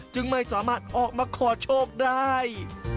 จึงไม่สามารถออกมาขอโชคได้